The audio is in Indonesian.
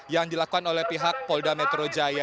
yang dilakukan oleh pihak polda metro jaya